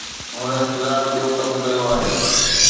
هن انتظار ٻيو ڪم ڪيو آهي.